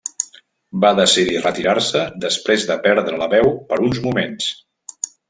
Va decidir retirar-se després de perdre la veu per uns moments.